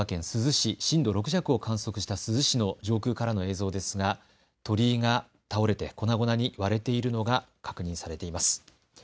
こちら、石川県珠洲市震度６弱を観測した珠洲市の上空からの映像ですが鳥居が倒れて粉々に割れているのが確認されています。